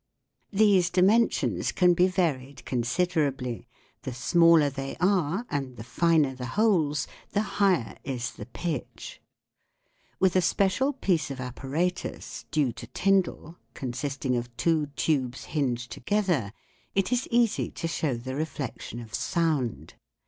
These dimensions can be varied considerably ; the smaller they are, and the finer the holes, the higher is the pitch. With a special piece of apparatus, due to Tyndall, consisting of two tubes hinged together (Fig. 14), it is easy to show the reflection of sound